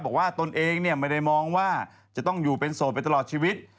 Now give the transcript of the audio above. ตนเองไม่ได้มองว่าจะต้องอยู่เป็นโสดไปตลอดชีวิต